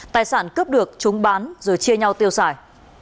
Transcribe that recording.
tài sản cướp được chúng bán rồi chia nhau tiêu xài